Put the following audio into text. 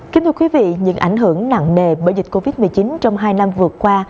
kính thưa quý vị những ảnh hưởng nặng nề bởi dịch covid một mươi chín trong hai năm vừa qua